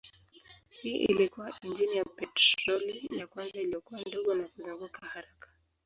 Hii ilikuwa injini ya petroli ya kwanza iliyokuwa ndogo na kuzunguka haraka.